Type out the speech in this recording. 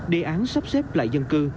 đề án sắp xếp lại dân cư